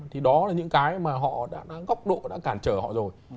thì đó là những cái mà họ đã góc độ đã cản trở họ rồi